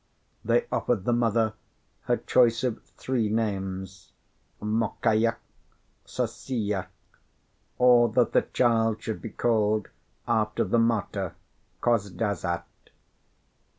They offered the mother her choice of three names, Mokiya, Sossiya, or that the child should be called after the martyr Khozdazat.